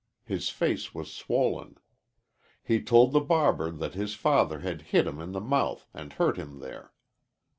His face was swollen. He told the barber that his father had hit him in the mouth and hurt him there.